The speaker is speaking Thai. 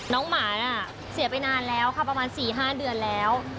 หมาน่ะเสียไปนานแล้วค่ะประมาณ๔๕เดือนแล้ว